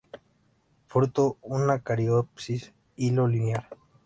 Fruto una cariopsis; hilo linear.